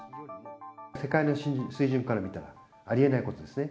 世界の水準から見たら、ありえないことですね。